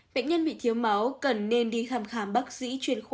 bệnh nhân bị thiếu máu cần nên đi thăm khám bác sĩ